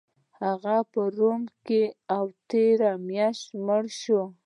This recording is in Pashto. هغه په روم کې و او تیره میاشت مړ شو